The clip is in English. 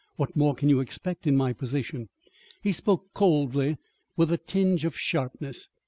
What more can you expect in my position?" He spoke coldly, with a tinge of sharpness.